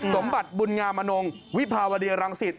สมบัติบุญงามนงวิภาวะเดียรังสิทธิ์